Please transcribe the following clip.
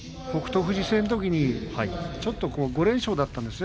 富士戦のときちょっと５連勝だったんですね